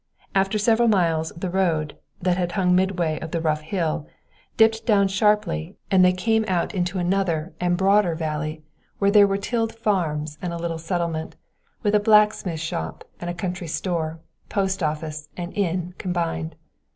After several miles the road, that had hung midway of the rough hill, dipped down sharply, and they came out into another and broader valley, where there were tilled farms, and a little settlement, with a blacksmith shop and a country store, post office and inn combined.